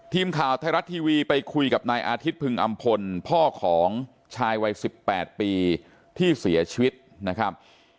ทีมข่าวไทยรัฐทีวีไปคุยกับนายอาทิตย์พึงอำพลพ่อของชายวัย๑๘ปีที่เสียชีวิตนะครับ